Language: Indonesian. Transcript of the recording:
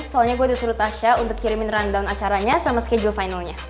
soalnya gue disuruh tasha untuk kirimin rundown acaranya sama schedule finalnya